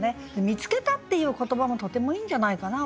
「見つけた」っていう言葉もとてもいいんじゃないかな。